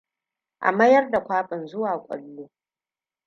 A mayar da kwaɓin zuwa ƙwallo.